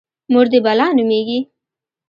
_مور دې بلا نومېږي؟